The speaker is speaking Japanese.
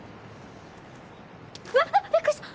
うわ！あっびっくりした。